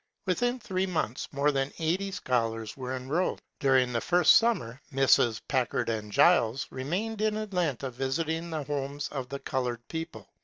Within three months more than eighty scholars were enrolled. During that first summer Misses Packard and Giles remained in Atianta visiting the homes of the colored people.